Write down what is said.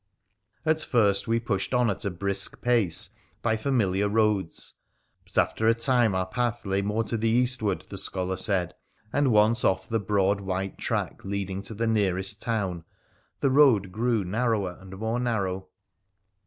At first we pushed on at a brisk pace by familiar roads, but after a time our path lay more to the eastward, the scholar said, and once off the broad white track leading to the nearest town the road grew narrower and more narrow.